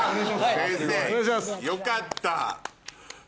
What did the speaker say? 先生よかった。